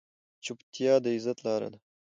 چپتیا، د عزت لاره ده.